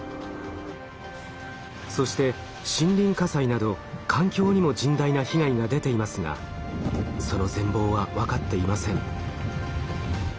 そして森林火災など環境にも甚大な被害が出ていますがその全貌は分かっていません。